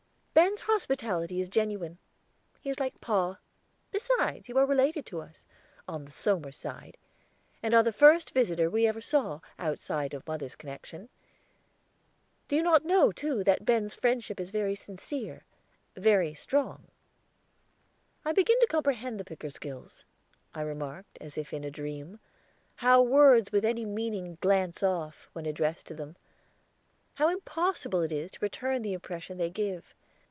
"Ben's hospitality is genuine. He is like pa. Besides, you are related to us on the Somers side, and are the first visitor we ever saw, outside of mother's connection. Do you not know, too, that Ben's friendship is very sincere very strong?" "I begin to comprehend the Pickersgills," I remarked as if in a dream. "How words with any meaning glance off, when addressed to them. How impossible it is to return the impression they give.